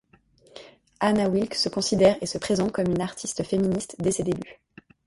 Hannah Wilke se considère et se présente comme une artiste féministe dès ses débuts.